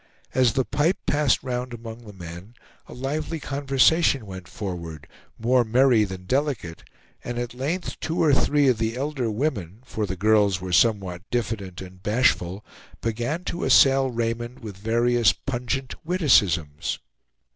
As the pipe passed round among the men, a lively conversation went forward, more merry than delicate, and at length two or three of the elder women (for the girls were somewhat diffident and bashful) began to assail Raymond with various pungent witticisms.